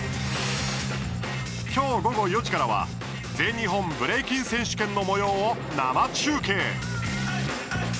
今日、午後４時からは「全日本ブレイキン選手権」のもようを生中継。